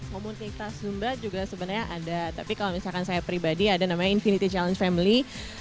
komunitas zumba juga sebenarnya ada tapi kalau misalkan saya pribadi ada namanya infinity challenge family